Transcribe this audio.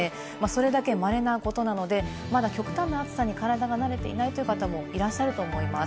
それだけ稀なことなので、まだ極端な暑さに体が慣れていないという方もいらっしゃると思います。